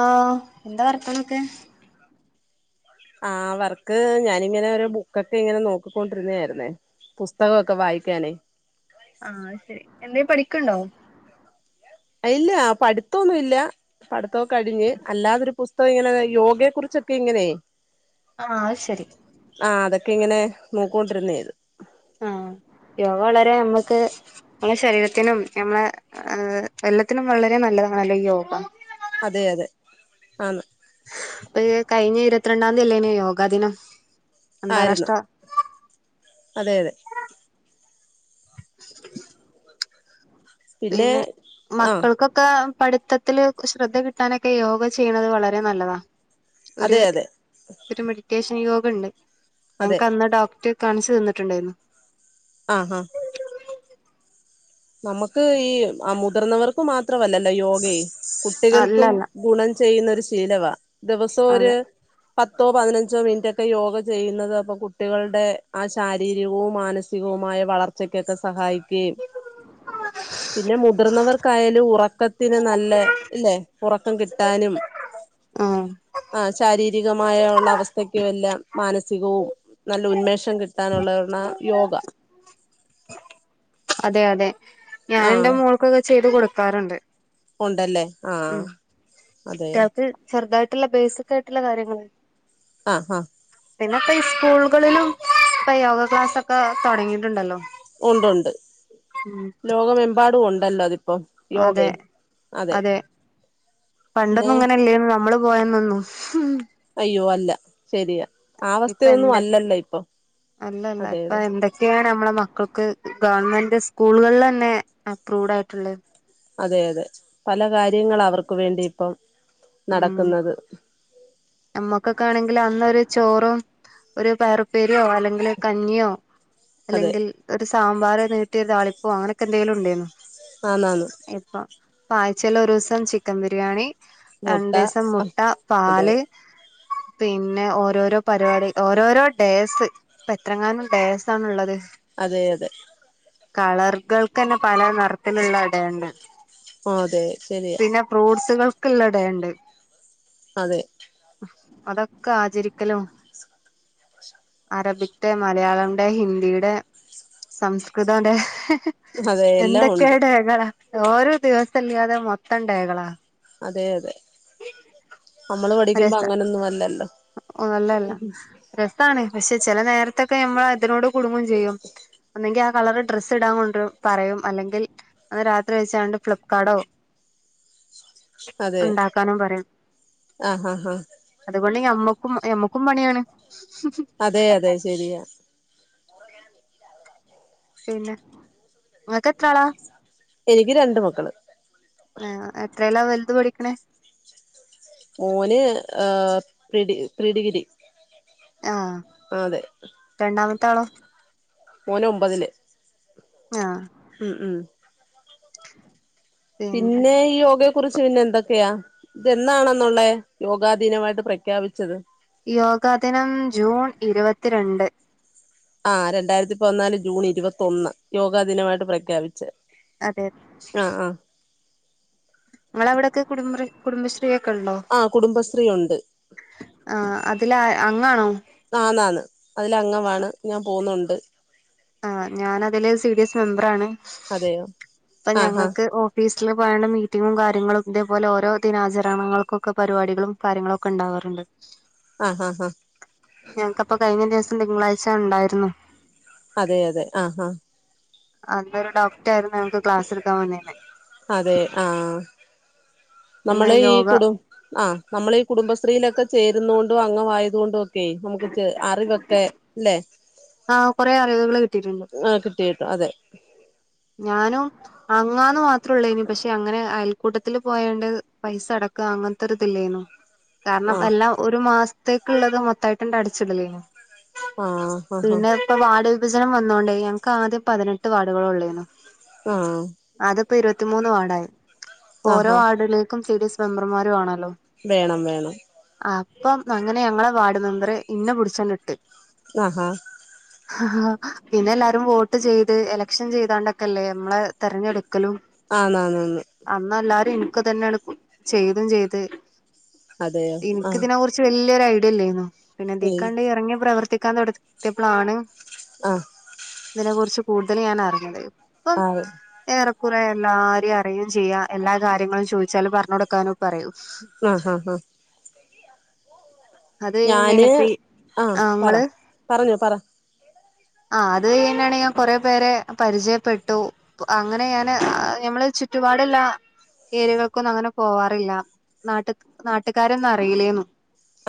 ആഹ് എന്താ വർത്താനൊക്കെ? ആഹ് വർക്ക് ഞാനിങ്ങെനെ ഒരു ബുക്കൊക്കെ ഇങ്ങെനെ നോക്കിക്കൊണ്ട്‌ര്ന്നെയായ്ര്ന്നേ പുസ്തകൊക്കെ വായ്ക്ക്യാനേ ആഹ് അത്ശരി എന്തേം പഠിക്ക്ണ്ടോ? അഹ് ഇല്ലാ പഠിത്താെ ഒന്നു ഇല്ലാ പഠ്ത്തോ കഴിഞ്ഞ് അല്ലാതൊര് പുസ്തക ഇങ്ങെനെതാ യോഗെയെ കുറിച്ചൊക്കെ ഇങ്ങെനേ ആഹ് അത് ശരി ആഹ് അതാെക്കെ ഇങ്ങെനെ നോക്കോണ്ട്‌ര്ന്നെയാത് ആഹ് യോഗ വളരെ ഞമ്മക്ക് മ്മളെ ശരീരത്തിനും ഞമ്മളെ എല്ലത്തിനും വളരേ നല്ലതാണല്ലോ ഈ യോഗ അതെ അതെ ആന്ന് പ്പ ഈ കയ്ഞ്ഞ ഇരത്റണ്ടാന്തി അല്ലേന്യോ യോഗാദിനം ആയ്ര്ന്ന് അതെ അതെ പിന്നെ ആ മക്കൾക്കൊ ക്കാ പഠ്ത്തത്തില് ശ്രദ്ധ കിട്ടാനൊക്കെ യോഗ ചെയ്യ്ണെത് വളരേ നല്ലതാ ഒര് അതെ അതെ ഒര് മെഡിറ്റേഷെൻ യോഗണ്ട് അതെ ഞങ്ങ്ക്കന്ന് ഡോക്റ്റ് കാൺച്ച് തന്ന്ട്ട്ണ്ടേയ്ര്ന്നു ആഹ് ആഹ് നമുക്ക് ഈ ആഹ് മുതിർന്നവർക്ക് മാത്രമല്ലല്ലാെ യോഗേ അല്ല കുട്ടികെൾക്കും അല്ല ഗുണം ചെയ്യുന്ന ഒരു ശീലവാ ദിവസം അതെ ഒര് പത്തോ പതിനഞ്ചോ മിൻറ്റൊക്കെ യോഗ ചെയ്യ്ന്നെത് അപ്പൊ കുട്ടികൾടെ ആ ശാരീരികവും മാനസ് സികവുമായ വളർച്ചക്കെക്കെ സഹായിക്കുകയും പിന്നെ മുതിർന്നവർക്കായാലും ഉറക്ക ത്തിന് നല്ലെ ഇല്ലേ ഉറക്കം കിട്ടാനും ആഹ് ആഹ് ശാരീരികമായ ഒള്ള അവസ്ഥക്കുവെല്ലാം മാനസികവും നല്ല ഉന്മേഷം കിട്ടാനുള്ളെ ഒന്നാ യോഗാ അതെ അതെ ആഹ് ഞാനെന്റെ മോൾക്കൊക്കെ ചെയ്ത് കൊട്ക്കാറുണ്ട് ഉണ്ടല്ലേ ഉം ആഹ് അതെയോ ട്ട്യാൾക്ക് ചെർതായ്ട്ട്ല്ല ബേസ്ക്കായ്ട്ട്ള്ളെ കാര്യങ്ങെള് ആഹ് ആഹ് പിന്നെ ഇപ്പ ഇസ്കൂൾകളിലും പ്പ യോഗ ക്ലാസാെക്കാ താെടങ്ങീട്ട്ണ്ടല്ലോ ഉണ്ടു ഉണ്ട് ഉം ലോകെമെമ്പാടും ഉണ്ടല്ലോ അത്പ്പോ അതെ യോഗേ അതെ പിന്നെ പണ്ടൊന്നും ഇങ്ങെനെല്ലേര്ന്ന് നമ്മെള് പോയന്നാെന്നും അയ്യോ അല്ല ശരിയാ ആ ഇപ്പൊ അവസ്ഥയൊന്നും എന്ത് അല്ലല്ലാെ ഇപ്പം അതെയതെ ക്കെയാണ് ഞമ്മളെ മക്കൾക്ക് ഗവൺമെന്റ് സ്കൂൾകൾലെന്നെ അപ്രൂവ്ഡായ്ട്ട്ള്ളെ അതെ അതെ പല കാര്യങ്ങളാ അവർക്ക് വേണ്ടി ഇപ്പം നടക്ക്ന്നത് ഞമ്മാെക്കൊക്കാണെങ്കില് അന്ന് ഒര് ചോറും ഒര് പയറുപ്പേര്യോ അല്ലെങ്കില് കഞ്ഞ്യോ അതെ അല്ലെങ്കിൽ ഒര് സാമ്പാറ് നീട്ട്യാെര് താളിപ്പോ അങ്ങനൊക്കെ എന്തേലുണ്ടേന്നു ആന്നാന്ന് ഇപ്പം പ്പായ്ച്ചേലൊരൂസം ചിക്കം ബിരിയാണി മുട്ട രണ്ടീസം മുട്ട അതെ പാല് പിന്നെ ഓരോരോ പരിപാടി ഓരോരോ ഡേസ് എത്രങ്ങാനം ടേസാണുള്ളത് അതെ അതെ കളറുകൾക്ക്ന്നെ പല നറ ത്തിലുള്ള ടേണ്ട് അതെ ശരിയാ പിന്നെ ഫ്രൂട്സുകൾക്കുള്ള ടേണ്ട് അതെ അതൊക്കെ ആചരിക്കലും Arabic day Malayalam day Hindi day സംസ്കൃതം ഡേ അതെ എല്ലാം എന്തൊക്കെയ ഉണ്ട് ഡേകളാ ഓരോ ദിവസംല്ലാതെ മൊത്തം ഡേകളാ അതെ അതെ നമ്മള് പഠിക്കുമ്പോ അങ്ങനെന്നും അല്ലല്ലോ ഓ, നല്ലല്ല രസമാണ് പക്ഷെ ചില നേരത്തൊക്കെ നമ്മള അതിനോട് കുടുങ്ങം ചെയ്യും ഒന്നെങ്കിൽ ആ കളറ് ഡ്രസ്സ് ഇടാൻ കൊണ്ടും പറയും അല്ലെങ്കിൽ അത് രാത്രിഴച്ചാണ്ട് ഫ്ലിപ്കാർഡോ അതെ ഉണ്ടാക്കാനും പറയും ആഹ് ആഹ് ആഹ് അതുകൊണ്ട് ഞമ്മക്കും ഞമ്മക്കും പണിയാണ് അതെ അതെ ശെരിയ പിന്നെ, ഇങ്ങക്ക് എത്ര ആളാ? എനിക്ക് രണ്ട് മക്കള്. ആഹ് എത്രയല്ലാ വലുത് പഠിക്കണേ ഓന് അഹ പ്രീഡഗിരി അതെ രണ്ടാമത്തൊളോ മൂന് ഒമ്പതില് ആ ഉം ഉം പിന്നെ ഈ യോഗ കുറിച്ച് പിന്നെ എന്തൊക്കയാ ഇതെന്നാണുള്ളെ യോഗാ ദിനമായിട്ട് പ്രഖ്യാപിച്ചത് യോഗാ ദിനം ജൂൺ ഇരവത്തിരണ്ട് ആഹ രണ്ടായിരത്തി പതിനാല് ജൂൺ ഇരുവത്തൊന്ന് യോഗാ ദിനായിട്ട് പ്രഖ്യാപിച്ച് അതെ ആഹ് ആഹ് ഇങ്ങള അവടൊക്കെ കുടുംബ്ര കുടുംബശ്രീ ഒക്കെ ഉണ്ടോ? ആഹ് കുടുംബശ്രീ ഉണ്ട് ആഹ് അതില അംങ്ങാംണോ ആണ് ആണ് അതില അംഗമാണ്, ഞാൻ പോവുന്നുണ്ട്. ആ ഞാന അതില് സി ഡി എസ് മെമ്പറ ആാണ് അതെയോ അപ്പ ആഹ് ആഹ് ഞങ്ങക്ക് ഓ ഫീസില് പറി [unintelligible] ണ മീറ്റിങ്ങും കാര്യങ്ങളും ഇതേപോലെ ഓരോ ദിനാചരണങ്ങൾകൊക്കെ പരിപാടികളും കാര്യങ്ങളോക്കെ ഇണ്ടാവാറ്ണ്ട് ആ ഹാ ഹാ ഞങ്ങക്കപ്പ കഴിഞ്ഞ ദിവസം തിങ്കളാഴ്ച്ചാ ഇണ്ടായിര്ന്നു അതെ അതെ ആ ഹാ അതൊരു ഡോക്റ്റായിര്ന്നു ഞങ്ങക്ക് ക്ലാസ് ഇട്ക്കാൻ വന്നിന്ന് അതെ ആ പിന്നെ നമ്മള് ഈ യോഗ കുടു ആഹ് നമ്മളീ കുടുംബശ്രീയിലൊക്കെ ചേര്ന്നൊണ്ടും അങ്ങവായതുകൊണ്ടും ഒക്കെ നമു ക്ക് അറിവൊക്കെ ല്ലെ ആഹ് കുറെ അറിവുകള് കിട്ടീട്ടുണ്ട് ആഹ് കിട്ടിട്ടോ അതെ ഞാനും അങ്ങാന്ന് മാത്ര ഉള്ളായ്നി പക്ഷെ അങ്ങനെ അയൽക്കൂട്ടത്തില് പോയോണ്ട് പൈസ അടക്കാ അങ്ങനത്തെ ഒരിതില്ലായ്ന്നു കാരണം ആ എല്ലാം ഒരു മാസത്തേക്കുള്ളത് മൊത്തം ആയിട്ടണ്ട് അടിച്ചിടലേനു ആഹ് ആഹ് ഇപ്പൊ വാർഡ് വിഭജനം വന്നോണ്ടെ ഞങ്ങക്ക് ആദ്യം പതിനെട്ട് വാർഡുകളെ ഒള്ളേന് ആഹ് അതിപ്പോ ഇരുപത്തിമൂന്ന് വാർഡായി ഇപ്പൊ ഓരോ ആഹാ വാർഡിലേക്കും സി ഡി എസ് മെമ്പർമാര് വേണോല്ലോ വേണം വേണം അപ്പം അങ്ങനെ ഞങ്ങളെ വാർഡ് മെമ്പറ് ഇന്നെ പുടിച്ചണ്ട് ഇട്ട് ആഹാ പിന്നെ എല്ലാരും വോട്ട് ചെയ്ത് എലക്ഷൻ ചെയ്തണ്ടെ ക്കല്ലേ നമ്മളെ തെരഞ്ഞെടുക്കലും ആന്ന് ആന്ന് ആന്ന് അന്ന് എല്ലാരും എനക്കും തന്നെയാണ് ചെയ്തും ചെയ്ത് അതെയോ ആ എനിക്ക് ഇതിനെ കുറി ച്ച് വല്യയൊരു ഐഡിയ ഇല്ലേന്നു പിന്നെ ഉം ഇതീക്കണ്ട് എറങ്ങി പ്രവർത്തിക്കാൻ തൊടത്തിയപ്പളാണ് ആഹ് ഇതിനെ കുറിച്ച് കൂടുതല് ഞാൻ അറിഞ്ഞത് ഇപ്പം ആ ഏറെക്കുറെ എല്ലാരെയും അറിയും ചെയ്യാം എല്ലാ കാര്യങ്ങളും ചോയ്ച്ചാലും പറഞ്ഞ് കൊടുക്കാനൊക്കെ അറിയും ആഹ് ആഹ് ആഹ് അത് ഞാന് കഴിഞ്ഞാണ് ഇപ്പ ഈ ആ പറ ഞങ്ങള് പറഞ്ഞോ പറ ആഹ് അത് അത് കഴിഞ്ഞിട്ടാണെ ഞാൻ കൊറെ പേരെ പരിചയപ്പെട്ടു അങ്ങനെ ഞാന് ഞമ്മള് ചുറ്റുപാടുള്ള ഏരികൾക്കൊന്നും അങ്ങനെ പോവാറില്ല നാട്ട് നാട്ട്ക്കാരൊന്നും അറിയില്ലേന്നൂ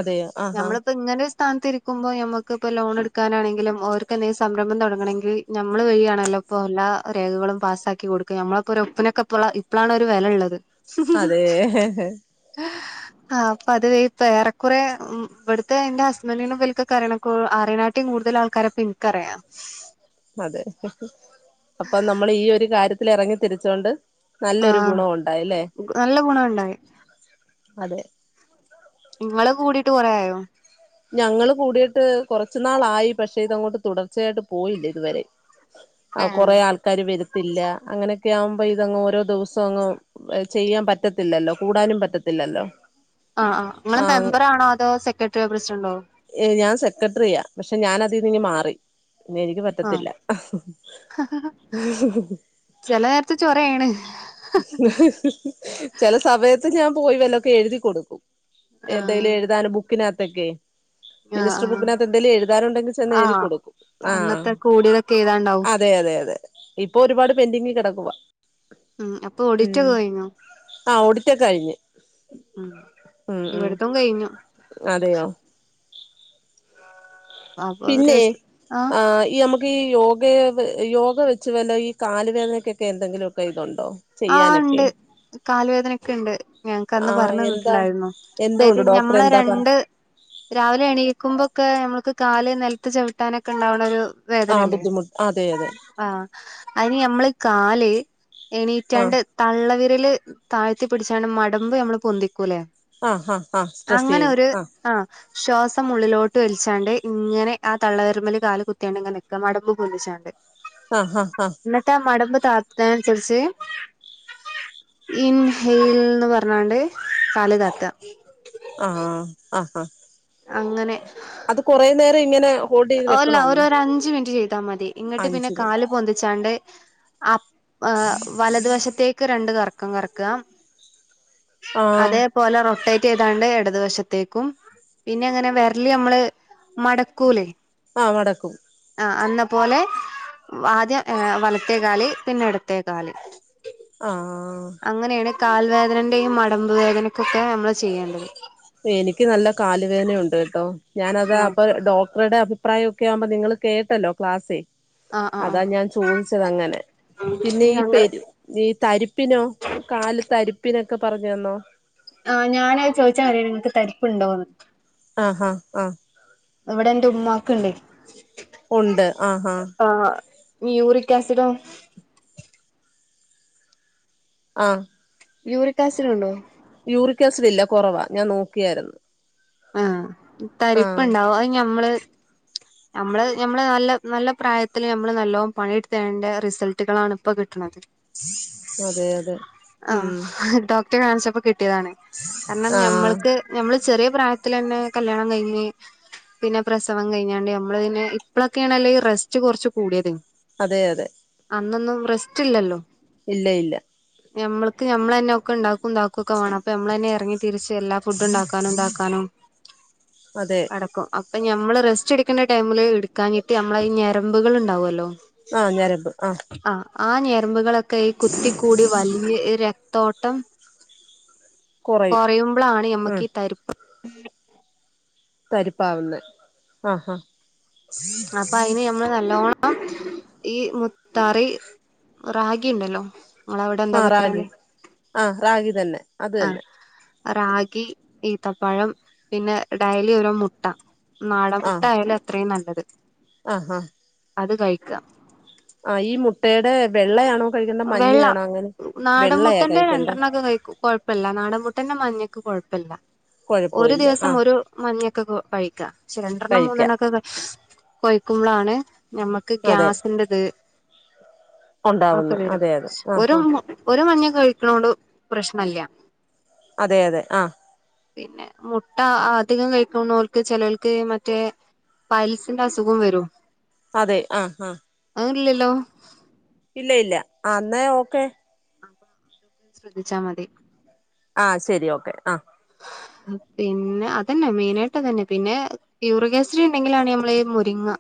അതെയോ ആഹാ നമ്മളിപ്പോ ഇങ്ങനെ ഒര് സ്ഥാനത്തിരിക്കുമ്പോ ഞമ്മക്കിപ്പോ ലോണ് എടുക്കാനാണെങ്കിലും ഓര് ത്ത് എന്തേലും സംരംഭം തൊടങ്ങണെങ്കിൽ നമ്മള് വഴിയാണല്ലോ ഇപ്പൊ എല്ലാ രേഖകളും പാസ്സാക്കി കൊടുക്കാൻ നമ്മളപ്പൊ ഒരു ഒപ്പിനൊക്കെ ഇപ്പള ഇപ്പളാണ് ഒര് വെല ഉള്ളത് അതേ ആഹ് അപ്പൊ അത് വയ് ഏറെക്കുറെ ഇവടുത്തെ ഇന്റെ ഹസ്ബൻഡിനും ഇവൽക്കൊക്കെ അറിയണം ക്ക് അറിയനാട്ടിം കൂടുതല് ആൾക്കാരെയൊക്കെ എനിക്കറിയാം അതെ അപ്പ നമ്മളീ ഒര് കാര്യത്തിലെറങ്ങി തിരിച്ചോണ്ട് നല്ലൊര് ആഹ് ഗുണം ഉണ്ടായല്ലേ നല്ല ഗുണം ഉണ്ടായി അതെ ഇങ്ങള് കൂടീട്ട് കുറേ ആയോ ഞങ്ങള് കൂടീട്ട് കൊറച്ച് നാളായി പക്ഷേ ഇതങ്ങോട്ട് തുടർച്ചയായിട്ട് പോയില്ല ഇത് വരെ ആഹ് ഏഹ് കൊറേ ആൾക്കാര് വരത്തില്ല അങ്ങനൊക്കെയാകുമ്പൊ ഇതങ്ങ് ഓരോ ദിവസവും അങ്ങ് ചെയ്യാൻ പറ്റത്തില്ലല്ലോ കൂടാനും പറ്റത്തില്ലല്ലോ ആഹ് ആഹ് ഇങ്ങള് ആ മെമ്പറാണോ അതോ സെക്രട്ടറിയോ പ്രസിഡന്റോ ഏ ഞാൻ സെക്രട്ട്രറിയാ പക്ഷെ ഞാന് അതീന്ന് ഇങ്ങ് മാറി പിന്നെ എനിക്ക് പ ആഹ് പറ്റത്തില്ല ചെല നേരത്ത് ചൊറയാണ് ചെല സമയത്ത് ഞാൻ പോയി വല്ലൊക്കെ എഴുതി കൊടുക്കും എന്തേലും ആഹ് എഴുതാന് ബുക്കിനാത്തൊക്കെയെ ആഹ് മിനിസ്റ്റ് ആഹ് ബുക്കിനാത്ത് എന്തേലും എഴുതാനുണ്ടെങ്കി ചെന്നെഴുതി ആഹ് കൊടുക്കും ആഹ് അന്നത്തെ കൂടിയതൊക്കെ എഴുതാണ്ടാവും അ അതെ അതെ അതെ ഇപ്പൊ ഒരുപാട് പെന്റിങ്ങിൽ കെടക്കുവ ഉം അപ്പൊ ഉം ഓഡിറ്റ് ഒക്കെ കഴിഞ്ഞോ ആഹ് ഓടിറ്റൊക്കെ കഴിഞ്ഞ് ഉം ഉം ഉം ഇവിട്ത്തും കഴിഞ്ഞു അതെയോ അപ്പൊ പിന്നെ രസ് ആഹ് ഈ അമ്മ ക്കീ യോഗെ യോഗ വച്ച് വല്ല ഈ കാല് വേദനക്കൊക്കെ എന്തെങ്കിലൊക്കെ ഇതുണ്ടോ? ചെയ്യാനൊക്കെ കാല് വേദനക്ക്ണ്ട് ഞങ്ങക്കന്ന് ആഹ് എന്താ പർഞ്ഞന്ന്ട്ട്ണ്ടായിര്ന്നു എന്തോ അതായത് ഉണ്ട് ഡോക്ടർ ഞമ്മളെ എന്താ പറ രണ്ട് രാവിലെ എണീക്കുമ്പൊക്കെ നമ്മക്ക് കാല് നെൽത്ത് ചവ്ട്ടാനൊക്കെണ്ടാവണൊരു ആഹ് വേദനല്ലേ ബുദ്ധിമുട്ട് അതെ അതെ ആഹ് അയ്ന് നമ്മള് കാല് ആഹ് എണീറ്റാണ്ട് തള്ളവിരല് താഴ്ത്തി പിട്ച്ചാണ്ട് മടമ്പ് നമ്മള് പൊന്തിക്കൂല്ലേ ആഹ് ആഹ് ആഹ് സ്ട്രെസ്സെയ്ത് ആഹ് ശ്വാസം ഉള്ളിലോട്ട് വൽച്ചാണ്ട് ഇങ്ങനെ ആഹ് തള്ള വെരല്മ്മല് കാല് കുത്തിയാണ്ട്ങ്ങെ നി ക്ക മടമ്പ് പൊന്തിച്ചാണ്ട് അഹ് അഹ് ആഹ് ഇന്നട്ടാ മടമ്പ് താത്ത്ണേനൻസര്ച്ച് ഇൻഹൈൽന്ന് പർഞ്ഞാണ്ട് കാല് താത്ത ആഹ് അഹ് അഹ് അങ്ങനെ അത് കൊറേ നേരങ്ങനെ അല്ല ഒര് ഒരഞ്ച് മിൻറ്റ് ചെയ്താ മതി ഇന്നട്ട് പിന്നെ അഞ്ച് മിനിറ്റ് കാല് പൊന്തിച്ചാണ്ട് ആഹ് എ വലത് വശത്തേക്ക് രണ്ട് കർക്കം കർക്ക ആഹ് അതേ പോലെ റൊട്ടേറ്റെയ്താണ്ട് എടത് വശത്തേക്കും പിന്നങ്ങനെ വെര്ല് നമ്മള് മടക്കൂലേ ആഹ് മടക്കും ആഹ് അന്ന പോലെ ആദ്യം ഏഹ് വലത്തേ കാല് പിന്നെ എടത്തേ കാല് ആഹ് അങ്ങനേണ് കാൽ വേദനന്റെയും മടമ്പ് വേദനക്കൊക്കെ നമ്മള് ചെയ്യേണ്ടത് എനിക്ക് നല്ല കാല് വേനയുണ്ട് കെട്ടോ ഞാനതാ ആ അപ്പ ഡോ ക്‌ടറ്ടെ അഭിപ്രായൊക്കെ ആവുമ്പൊ നിങ്ങള് കേട്ടല്ലോ ക്ലാസ്സ് ആ ആ ആ അതാ ഞാൻ ചോദിച്ചതങ്ങനെ പിന്നെ ഈ ഞങ്ങള് പെര് ഈ തരിപ്പിനോ കാല് തരിപ്പിനൊക്കെ പറഞ്ഞ് തന്നോ? ആഹ് ഞാനാത് ചോദിച്ചാ വരാറുണ്ട് നിങ്ങൾക്ക് തരിപ്പുണ്ടോന്ന് ആഹ് ആഹ് ഇവിടെ എന്റെ ഉമമാക്കുണ്ട് ഉണ്ട് ആഹ് ആഹ് യൂറിക് ആസിഡോ ആഹ് യൂറിക്കാസിനുണ്ടോ യൂറിക്കസിഡ് ലില്ല കുറവാ ഞാൻ നോക്കിയായിരുന്നു ആഹ് തരിപ്പുണ്ടാവും ആഹ് നമ്മള് [unintelligible] ഞമ്മള് ഞമ്മള് നല്ല നല്ല പ്രായത്ത്‌ല് നമ്മള് നല്ലോണം പണിട്തേന്റെ റിസൾട്ടുകളാണ് ഇപ്പ കിട്ട്ണത് അതെയതെ ഉം റ്റ കാണിച്ചപ്പോ കിട്ടിയതാണ് ആഹ് കാരണംഞമ്മൾക്ക് ഞമ്മള് ചെറിയ പ്രായ ത്തിലെന്നെ കല്യാണം കഴിഞ്ഞ് പിന്നെ പ്രസവം കഴിഞ്ഞാണ്ട് ഞമ്മള് പിന്നെ ഇപ്പളൊക്കേണല്ലേ ഈ റസ്റ്റ് കൊർച്ച് കൂടിയത് അതേ യതെ അന്നൊന്നും റെസ്റ്റ്ല്ലല്ലോ ഇല്ല ഇല്ല ഞമ്മൾക്ക് നമ്മളെന്നെ ഒക്കെ ണ്ടാക്കും താക്കൊക്കെ വാണം. അപ്പ ഞമ്മളന്നെ എറങ്ങി തിരിച്ച് എല്ലാ ഫുഡ്ഡ്ണ്ടാക്കാനും താക്കാനും അതെ അടക്കും അപ്പൊ ഞമ്മള് റസ്റ്റ്ട്ക്കണ്ട ടൈമില് ഇട്ക്കാഞ്ഞിട്ട് നമ്മള ഈ ഞരമ്പുകള്ണ്ടാവല്ലോ ആ ഞരമ്പ് ആഹ് ആ ഞരമ്പുകളൊക്കെ ഈ കുത്തിക്കൂടി വലിഞ്ഞ് ഈ രക്തോട്ടം കുറയും കൊറയുമ്പളാണ് ഉം ഞമ്മക്ക് ഈ തരിപ്പ് തരിപ്പാവുന്നെ ആഹ് ഹാ അപ്പയ്ന് ഞമ്മള് നല്ലോണ്ണം ഈ മുത്താറി റാഗി ണ്ടല്ലോ ങ്ങളവിടെ എന്താ ആഹ് പറ്യല് റാഗി ആഹ് റാഗി തന്നെ അത് ആഹ് തന്നെ റാഗി ഈത്തപ്പഴം പിന്നെ ഡയിലി ഓരോ മുട്ട ആഹ് നാടൻമുട്ടായാലത്രയും നല്ലത് ആഹ് ഹാ അത് കഴിക്കാ ആ ഈ മുട്ടയുടെ വെള്ളയാണോ കഴിക്കേണ്ട വെള്ള മഞ്ഞയാണോ അങ്ങനെ വെള്ളയാ നാടൻമുട്ടന്റെ കഴിക്കണ്ടേ രണ്ടെണ്ണക്കെ കഴിക്കും കുഴ പ്പല്ല നാടൻ മുട്ടൻ്റെ മഞ്ഞക്ക് കുഴപ്പല്ല ഒരു കൊഴപ്പവില്ല ദിവസം ആഹ് ഒരു മഞ്ഞൊക്കെ കഴിക്കാം, ക്ഷെ രണ്ടെണ്ണം കഴിക്കാം മൂന്നെണ്ണം ഒക്കെ കയ് കൊഴിക്കുമ്പളാണ് ഞമ്മക്ക് അതെ ഗ്യാസിന്റെത് ക്കെ ഉണ്ടാവുന്നു വരും. അതെ അതെ ആഹ് ഒരു ആഹ് ഒരു മഞ്ഞ കഴിക്കണോണ്ട് പ്രശ്ണല്ല അതേയതെ ആഹ് പിന്നെ മുട്ട അധികം കഴിക്കുന്നോൽക്ക് ചെലോൽക്ക് മറ്റേ പൈൽസിന്റെ അസുഖം വരും അതെ ആഹ് ആഹ് അതൊന്നുല്ലല്ലോ ഇല്ല ഇല്ല അന്നേ ഓക്കെ ശ്രദ്ധിച്ചാ മതി ആ ശരി ഓക്കെ ആഹ് പിന്നെ അതന്നെ മെയിനായിട്ട് അതന്നെ, പിന്നെ യൂറിഗാസിഡി ഉണ്ടെങ്കിലാണ് നമ്മള ഈ മുരിങ്ങ